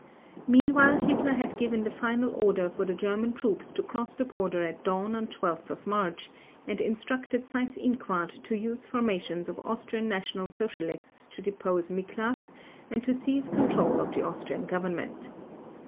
Meanwhile Hitler had given the final order for the German troops to cross the border at dawn on 12 March and instructed Seyss Inquart to use formations of Austrian National Socialists to depose Miklas and to seize control of the Austrian Government.